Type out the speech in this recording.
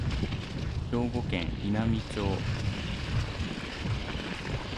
兵庫県稲美町